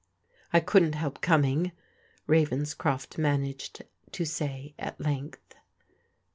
" I couldn't help coming," Ravenscrof t managed to say at length.